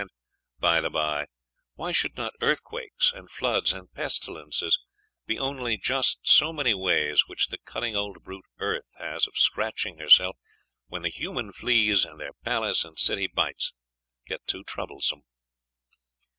And, by the bye, why should not earthquakes, and floods, and pestilences, be only just so many ways which the cunning old brute earth has of scratching herself when the human fleas and their palace and city bites get too troublesome?